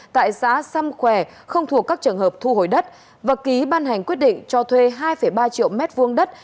tại xã xăm khuè không thuộc các trường hợp thu hồi đất và ký ban hành quyết định cho thuê hai ba triệu m hai đất